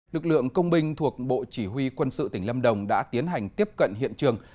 lực lượng công binh thuộc bộ chỉ huy quân sự tỉnh lâm đồng đã tiến hành tiếp cận hiện trường